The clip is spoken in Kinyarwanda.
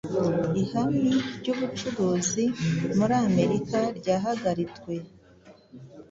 Ihami ryubucuruzi muri Amerika ryahagaritwe